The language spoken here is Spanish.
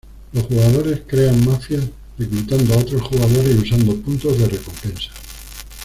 Los jugadores crean mafias reclutando a otros jugadores y usando puntos de recompensa.